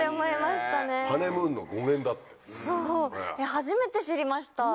初めて知りました。